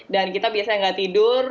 dan kita biasanya nggak tidur